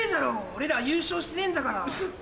俺ら優勝してねえんじゃから。